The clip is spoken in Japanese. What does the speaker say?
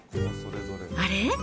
あれ？